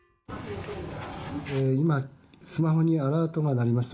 今、スマホにアラートが鳴りました。